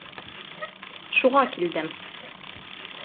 Шуға килдем.